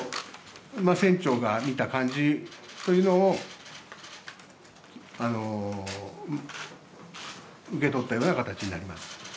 船長が見た感じというのを受け取ったような形になります。